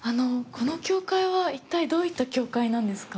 この教会は一体どういった教会なんですか。